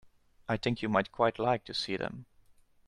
I think you might quite like to see them.